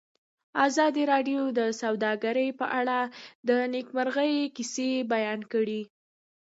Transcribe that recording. ازادي راډیو د سوداګري په اړه د نېکمرغۍ کیسې بیان کړې.